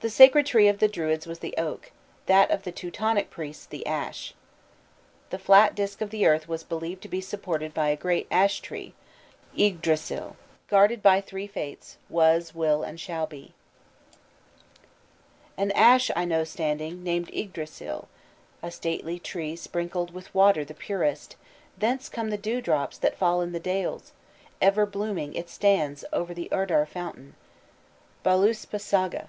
The sacred tree of the Druids was the oak; that of the Teutonic priests the ash. The flat disk of the earth was believed to be supported by a great ash tree, Yggdrasil, "An ash know I standing, Named Yggdrasil, A stately tree sprinkled With water the purest; Thence come the dewdrops That fall in the dales; Ever blooming, it stands O'er the Urdar fountain." _Völuspa saga.